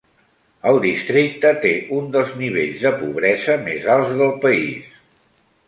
El districte té un dels nivells de pobresa més alts del país.